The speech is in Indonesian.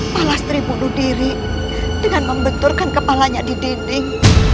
palastri bunuh diri dengan membenturkan kepalanya di dinding